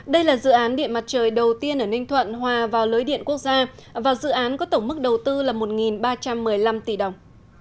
đây là dự án điện mặt trời đầu tiên ở ninh thuận hòa vào lưới điện quốc gia và dự án có tổng mức đầu tư là một ba trăm một mươi năm tỷ đồng